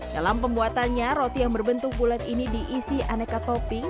dalam pembuatannya roti yang berbentuk bulat ini diisi aneka topping